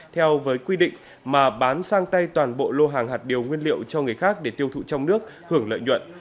theo với quy định mà bán sang tay toàn bộ lô hàng hạt điều nguyên liệu cho người khác để tiêu thụ trong nước hưởng lợi nhuận